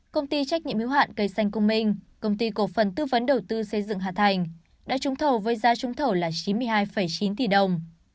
công ty trách nhiệm hữu hạn cây xanh công minh công ty cổ phần tư vấn đầu tư xây dựng hà thành đã trúng thầu với giá trúng thầu là chín mươi hai chín tỷ đồng